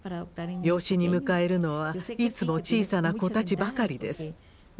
養子に迎えるのはいつも小さな子たちばかりです。